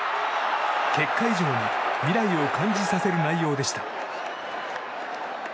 結果以上に未来を感じさせる内容でした。